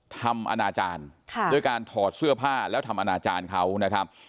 ทำอนาจารย์ด้วยการถอดเสื้อผ้าแล้วทำอนาจารย์เขานะครับ